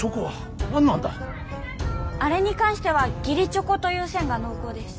あれに関しては義理チョコという線が濃厚です。